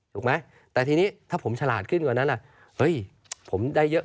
ถูกไหมแต่ทีนี้ถ้าผมฉลาดขึ้นกว่านั้นเฮ้ยผมได้เยอะ